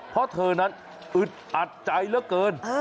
เพราะเธอนั้นอึดอัดใจเหลือเกิน